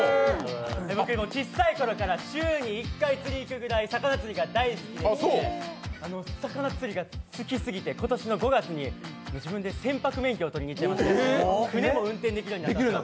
ちっさいころから週に１回魚釣りにいくくらい魚釣りが大好きで、好きすぎて今年の５月に自分で船舶免許を取りに行きまして船も運転できるようになりました。